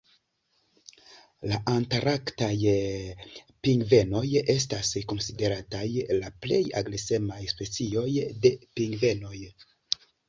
La Antarktaj pingvenoj estas konsiderataj la plej agresemaj specioj de pingvenoj.